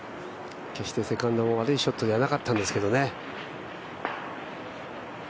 決してセカンドも悪いショットじゃなかったんですけどね。